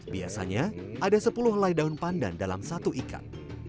biasanya ada sepuluh helai daun pandan dalam satu ikat